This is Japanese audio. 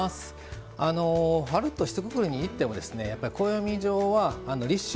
春とひとくくりに言ってもやっぱり暦上は立春。